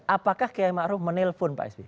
apakah kiai ma'ruf menelpon pak asb